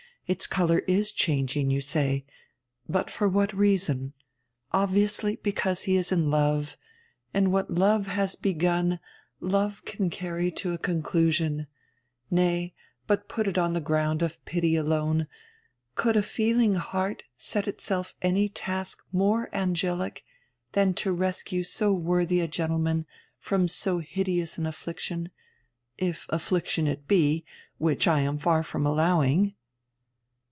Its colour is changing, you say. But for what reason? Obviously because he is in love; and what love has begun, love can carry to a conclusion. Nay, but put it on the ground of pity alone. Could a feeling heart set itself any task more angelic than to rescue so worthy a gentleman from so hideous an affliction if affliction it be, which I am far from allowing?'